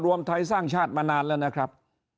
รวมไทยสร้างชาติมานานแล้วนะครับ